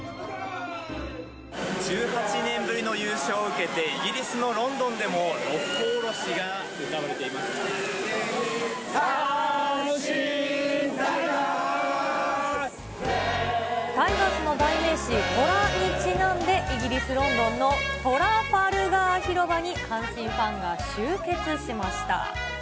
１８年ぶりの優勝を受けて、イギリスのロンドンでも、タイガースの代名詞、トラにちなんで、イギリス・ロンドンのトラファルガー広場に阪神ファンが集結しました。